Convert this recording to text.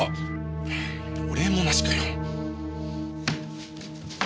お礼もなしかよ。